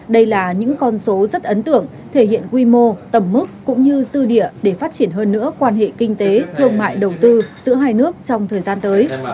đây là những con số rất ấn tượng thể hiện quy mô tầm mức cũng như dư địa để phát triển hơn nữa quan hệ kinh tế thương mại đầu tư giữa hai nước trong thời gian tới